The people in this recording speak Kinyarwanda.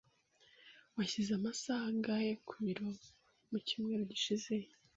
Washyize amasaha angahe ku biro mu cyumweru gishize?